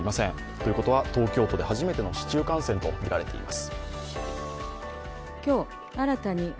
ということは東京都で初めての市中感染とみられています。